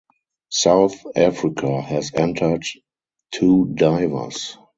South Africa has entered two divers.